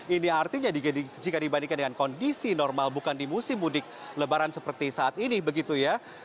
ini artinya jika dibandingkan dengan kondisi normal bukan di musim mudik lebaran seperti saat ini begitu ya